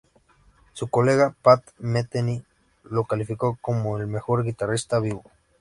Su colega Pat Metheny lo calificó como "el mejor guitarrista vivo".